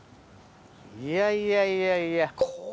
いやいやいやいや。